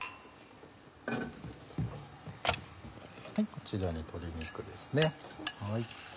こちらに鶏肉です。